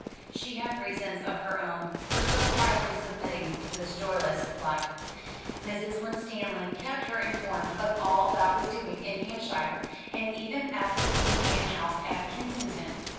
She had reasons of her own for so quietly submitting to this joyless life. Mrs. Winstanley kept her informed of all that was doing in Hampshire, and even at the Queen Anne house at Kensington.